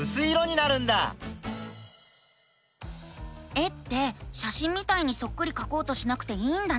絵ってしゃしんみたいにそっくりかこうとしなくていいんだね。